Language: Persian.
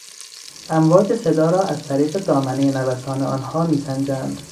امواج صدا را از طریق دامنهی نوسان آنها میسنجند.